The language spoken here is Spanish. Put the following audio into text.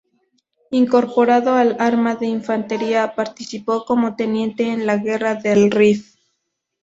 Incorporado al arma de infantería, participó como teniente en la guerra del Rif.